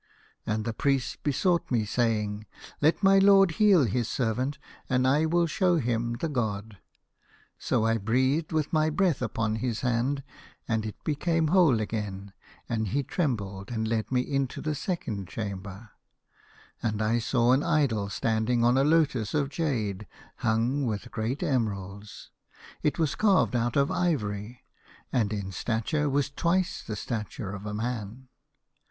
" And the priest besought me, saying, ' Let my lord heal his servant, and I will show him the god.' " So I breathed with my breath upon his hand, and it became whole again, and he trembled and led me into the second chamber, and I saw an idol standing on a lotus of jade hung with great emeralds. It was carved out of ivory, and in stature was twice the stature of a man.